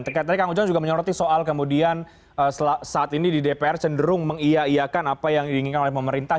terkait tadi kang ujang juga menyoroti soal kemudian saat ini di dpr cenderung mengiya iakan apa yang diinginkan oleh pemerintah